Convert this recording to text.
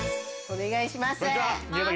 お願いします。